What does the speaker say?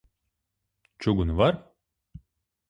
Čugunu var?